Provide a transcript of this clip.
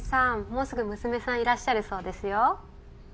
もうすぐ娘さんいらっしゃるそうですよ。